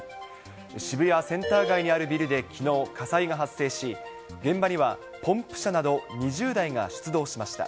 渋谷センター街にあるビルできのう、火災が発生し、現場にはポンプ車など２０台が出動しました。